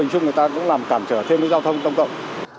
chúng người ta cũng làm cản trở thêm với giao thông công cộng